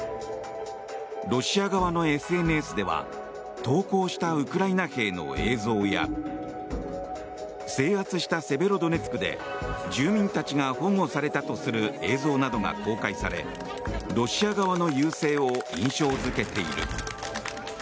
ロシア側のＳＮＳでは投降したウクライナ兵の映像や制圧したセベロドネツクで住民たちが保護されたとする映像などが公開されロシア側の優勢を印象付けている。